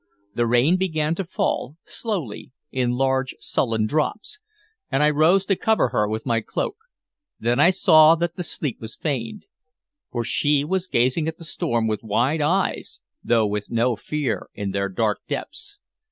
The rain began to fall, slowly, in large sullen drops, and I rose to cover her with my cloak. Then I saw that the sleep was feigned, for she was gazing at the storm with wide eyes, though with no fear in their dark depths.